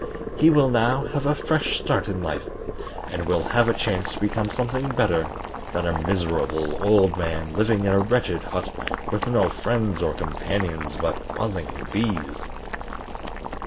He will now have a fresh start in life, and will have a chance to become something better than a miserable old man living in a wretched hut with no friends or companions but buzzing bees."